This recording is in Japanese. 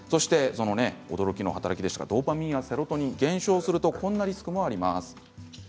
驚きの働きでしたがドーパミンやセロトニンが減少するとこんなリスクもあります。